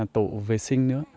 tổ vệ sinh nữa